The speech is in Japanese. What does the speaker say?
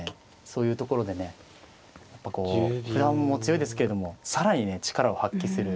そういうところでねやっぱこうふだんも強いですけれども更にね力を発揮する。